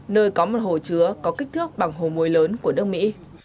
nơi có một hồ chứa có kích thước bằng hồ muối lớn của nước mỹ